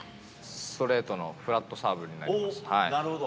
ストレートのフラットサーブなるほど。